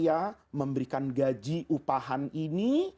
ya allah saya memberikan gaji upahan ini